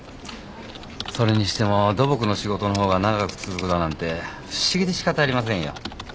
それにしても土木の仕事の方が長く続くだなんて不思議でしかたありませんよ。